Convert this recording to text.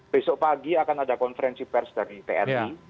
besok pagi akan ada konferensi pers dari tni